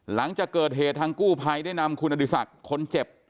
หลังจากเกิดเหตุทางกู้ภัยได้นำคุณอดีศักดิ์คนเจ็บ